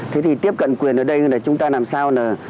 thế thì tiếp cận quyền ở đây là chúng ta làm sao là